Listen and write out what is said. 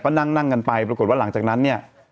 ก็นั่งกันไปปรากฏว่าหลังจากนั้นเนี่ย